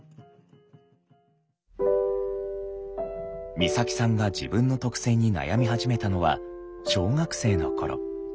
光沙季さんが自分の特性に悩み始めたのは小学生の頃。